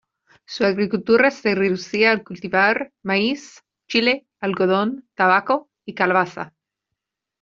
Su agricultura se reducía a cultivar maíz, chile, algodón, tabaco y calabaza.